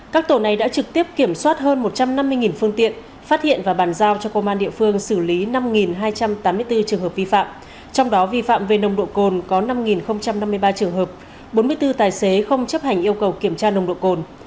các tổ này đã trực tiếp kiểm soát hơn một trăm năm mươi phương tiện phát hiện và bàn giao cho công an địa phương xử lý năm hai trăm tám mươi bốn trường hợp vi phạm trong đó vi phạm về nồng độ cồn có năm năm mươi ba trường hợp bốn mươi bốn tài xế không chấp hành yêu cầu kiểm tra nồng độ cồn